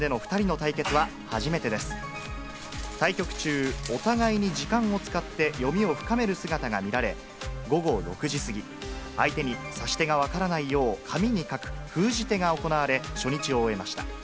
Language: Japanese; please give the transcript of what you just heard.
対局中、お互いに時間を使って、読みを深める姿が見られ、午後６時過ぎ、相手に指し手が分からないよう紙に書く封じ手が行われ、初日を終えました。